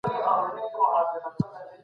حکومتونه چیري د قانون واکمني پیاوړي کوي؟